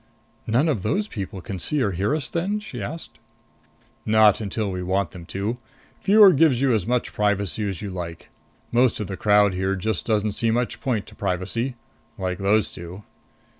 "None of those people can see or hear us then?" she asked. "Not until we want them to. Viewer gives you as much privacy as you like. Most of the crowd here just doesn't see much point to privacy. Like those two."